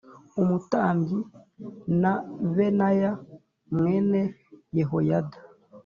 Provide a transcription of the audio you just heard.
umutambyi na Benaya mwene Yehoyada